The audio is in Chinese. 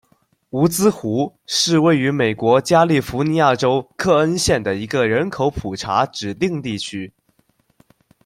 伍兹湖是位于美国加利福尼亚州克恩县的一个人口普查指定地区。